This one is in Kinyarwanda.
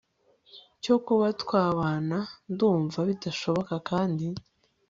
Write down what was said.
cyo kuba twabana ndumva kidashoboka kandi